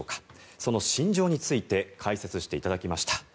その心情について解説していただきました。